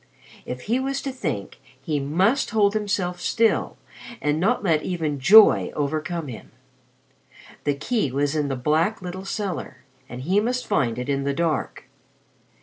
If he was to think, he must hold himself still and not let even joy overcome him. The key was in the black little cellar, and he must find it in the dark.